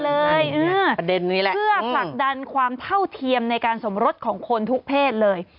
เลยเพื่อผลักดันความเท่าเทียมในการสมรสของคนทุกเพศเลย